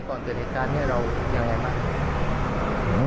ก่อนเกิดเหตุการณ์นี้เรายังไงบ้าง